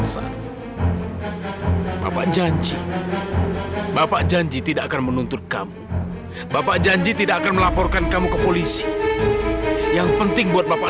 sampai jumpa di video selanjutnya